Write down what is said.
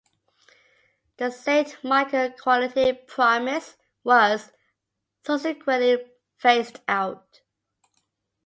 The "Saint Michael Quality Promise" was subsequently phased out.